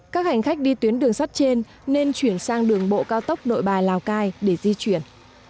các hành khách đi tuyến đường sắt trên nên chuyển sang đường bộ cao tốc nội bài lào cai để di chuyển